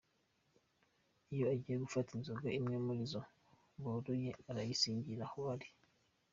Iyo agiye gufata inzoka imwe muri izo boroye, arayisingira aho iri.